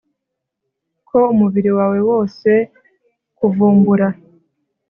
Ko umubiri wawe wose kuvumbura